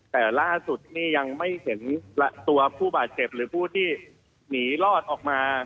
แต่ล่าสุดนี่ยังไม่เห็นตัวผู้บาดเจ็บหรือผู้ที่หนีรอดออกมา